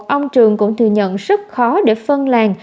ông trường cũng thừa nhận rất khó để phân làng